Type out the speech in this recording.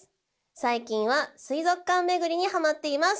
最近は水族館巡りにはまっています。